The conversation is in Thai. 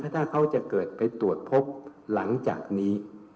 ถ้าเขาจะเกิดไปตรวจพบหลังจากนี้